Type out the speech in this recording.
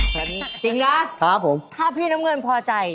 จริงนะถ้าพี่น้ำเงินพอใจ